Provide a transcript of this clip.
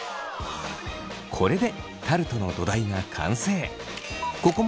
これでタルトの土台が完成。